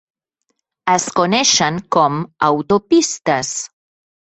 Es coneixen com "autopistes".